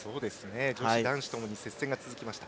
女子、男子ともに接戦が続きました。